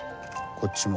こっちも。